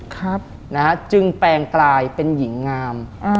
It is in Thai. ครับนะฮะจึงแปลงกลายเป็นหญิงงาม